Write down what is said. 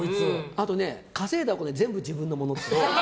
あとね、稼いだお金は全部自分のものっていう。